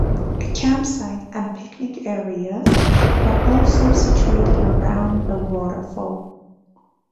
A camp site and picnic area are also situated around the waterfall.